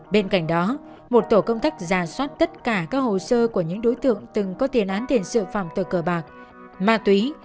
bên cạnh đó một tổ công tác giả soát tất cả các hồ sơ của những đối tượng từng có tiền án tiền sự phòng tội cờ bạc ma túy